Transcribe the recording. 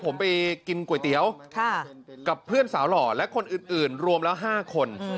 ผมไปกินก๋วยเตี๋ยวกับเพื่อนสาวหล่อและคนอื่นรวมแล้ว๕คน